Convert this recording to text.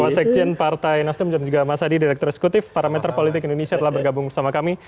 wasekjen partai nasdem dan juga mas adi direktur eksekutif parameter politik indonesia telah bergabung bersama kami